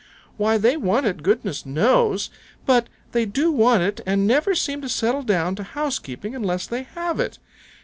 "Why they want it, goodness knows! But they do want it and never can seem to settle down to housekeeping unless they have it.